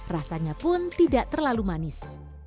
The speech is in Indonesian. rasanya pun tidak terlalu manis